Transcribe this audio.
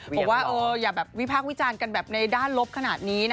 บอกว่าอย่าแบบวิพากษ์วิจารณ์กันแบบในด้านลบขนาดนี้